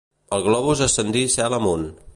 El globus ascendí cel amunt.